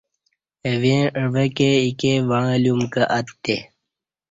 اہ ویں عوہ کی ایکے وعں لیوم کہ اتےّ